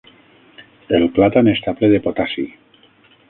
El plàtan està ple de potassi.